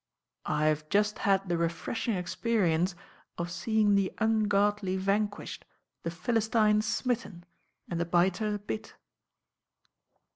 "I have just had the refreshing experience of see ing the ungodly vanquished, the Philistine smitten, and the biter bit."